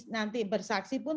nanti bersaksi pun